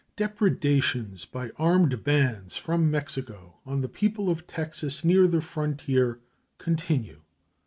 Depredations by armed bands from Mexico on the people of Texas near the frontier continue.